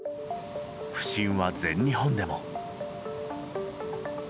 不振は全日本でも。